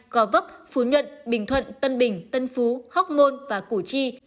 gò vấp phú nhuận bình thuận tân bình tân phú hóc môn và củ chi